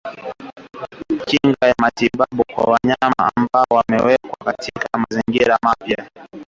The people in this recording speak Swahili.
Kinga ya matabibu kwa wanyama ambao wamewekwa katika mazingira mapya